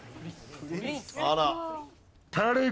あら。